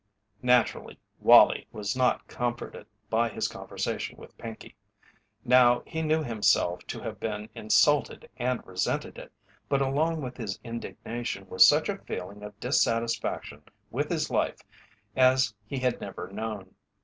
Naturally, Wallie was not comforted by his conversation with Pinkey. Now he knew himself to have been insulted, and resented it, but along with his indignation was such a feeling of dissatisfaction with his life as he had never known.